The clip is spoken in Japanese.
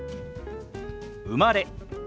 「生まれ」。